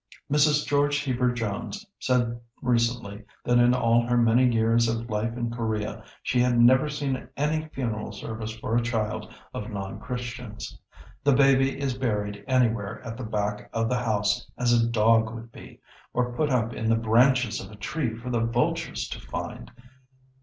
Mrs. George Heber Jones said recently that in all her many years of life in Korea she had never seen any funeral service for a child of non Christians. The baby is buried anywhere at the back of the house as a dog would be, or put up in the branches of a tree for the vultures to find.